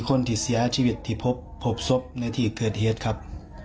คนที่เสียชีวิตที่พบศพในที่เกิดเหตุครับ